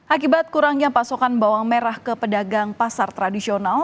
akibat kurangnya pasokan bawang merah ke pedagang pasar tradisional